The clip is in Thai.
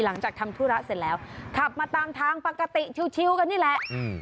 หลังจากทำธุระเสร็จแล้วขับมาตามทางปกติชิวกันนี่แหละอืม